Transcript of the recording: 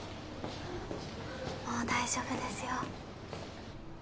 もう大丈夫ですよ